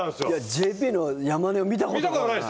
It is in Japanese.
ＪＰの山根を見たことがない。